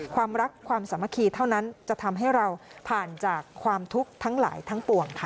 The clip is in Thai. ความรักความสามัคคีเท่านั้นจะทำให้เราผ่านจากความทุกข์ทั้งหลายทั้งปวงค่ะ